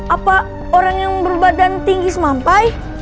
apa orang yang berbadan tinggi semampai